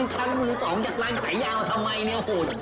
ชั้นมือสองยักรายไข่ยาวทำไม